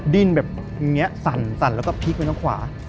ดิ้นแบบนี้สั่นแล้วก็พลิกไปข้างขวา